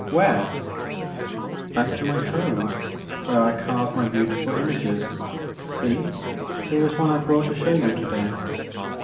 — where?'' " Back to my home where I carve my beauti ful images ; sfee, here is one I brought to show you to day.'